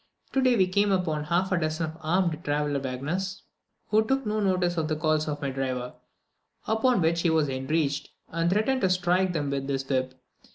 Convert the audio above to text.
Today we came upon half a dozen of armed traveller waggoners, who took no notice of the calls of my driver, upon which he was enraged, and threatened to strike them with his whip.